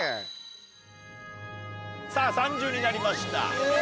さぁ３０になりました。